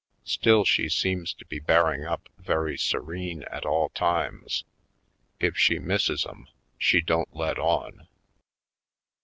Still, she seems to be bearing up very serene at all times. If she misses 'em she don't let on.